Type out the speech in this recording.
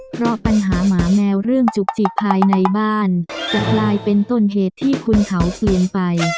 เพราะปัญหาหมาแมวเรื่องจุกจิกภายในบ้านจะกลายเป็นต้นเหตุที่คุณเขาเปลี่ยนไป